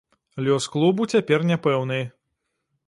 Лёс клубу цяпер няпэўны.